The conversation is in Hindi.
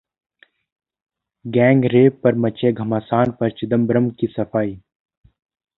गैंगरेप पर मचे घमासान पर चिदंबरम की सफाई